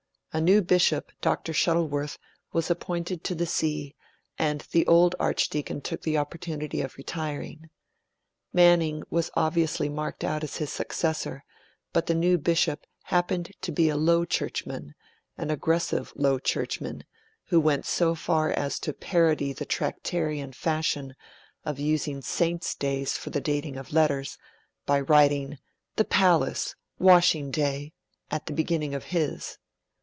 A new bishop, Dr. Shuttleworth, was appointed to the See, and the old Archdeacon took the opportunity of retiring. Manning was obviously marked out as his successor, but the new bishop happened to be a low churchman, an aggressive low churchman, who went so far as to parody the Tractarian fashion of using Saints' days for the dating of letters by writing 'The Palace, washing day', at the beginning of his.